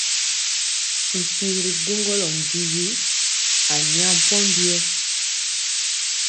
Mpi ri duŋgɔlɔ njiwi a nya pombiyɛ.